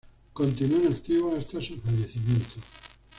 Continuó en activo hasta su fallecimiento.